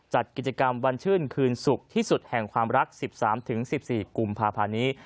จัดกิจกรรมวันชื่นคืนศุกร์ที่สุดแห่งความรัก๑๓๑๔กุมภาพันธ์นี้